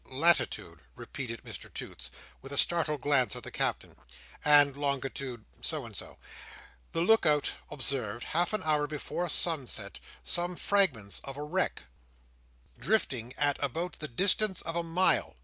"—latitude," repeated Mr Toots, with a startled glance at the Captain, "and longitude so and so,—'the look out observed, half an hour before sunset, some fragments of a wreck, drifting at about the distance of a mile.